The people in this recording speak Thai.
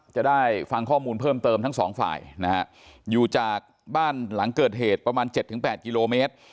จะได้ฟังข้อมูลเพิ่มเติมทั้งสองฝ่ายนะฮะอยู่จากบ้านหลังเกิดเหตุประมาณ๗๘กิโลเมตร